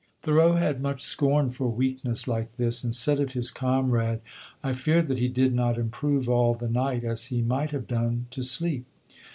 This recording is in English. '" Thoreau had much scorn for weakness like this, and said of his comrade, "I fear that he did not improve all the night as he might have done, to sleep."